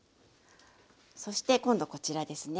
そして今度こちらですね。